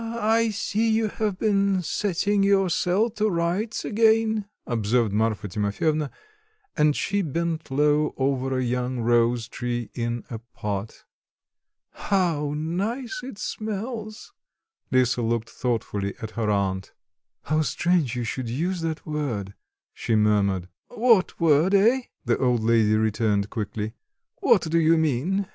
I see, you have been setting your cell to rights again," observed Marfa Timofyevna, and she bent low over a young rose tree in a pot; "how nice it smells!" Lisa looked thoughtfully at her aunt. "How strange you should use that word!" she murmured. "What word, eh?" the old lady returned quickly. "What do you mean?